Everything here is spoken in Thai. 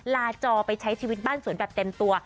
อจอไปใช้ชีวิตบ้านสวนแบบเต็มตัว